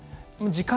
時間？